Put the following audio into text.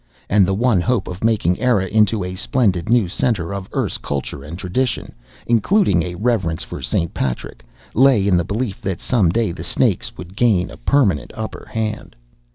And the one hope of making Eire into a splendid new center of Erse culture and tradition including a reverence for St. Patrick lay in the belief that some day the snakes would gain a permanent upper hand.